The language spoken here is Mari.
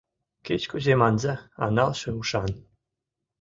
«Кеч-кузе манза — а налше ушан...»